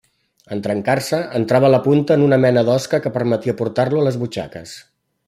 En tancar-se, entrava la punta en una mena d'osca que permetia portar-lo a les butxaques.